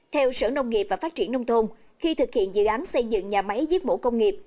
theo sở nông nghiệp và phát triển nông thôn khi thực hiện dự án xây dựng nhà máy giết mổ công nghiệp